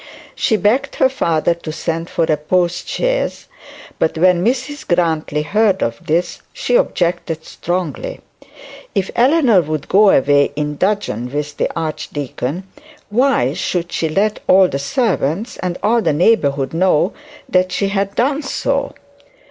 She begged her father to send for a postchaise; but when Mrs Grantly heard of this, she objected strongly. If Eleanor would go away in dudgeon with the archdeacon, why should she let all the servants and all the neighbourhood know that she had done so?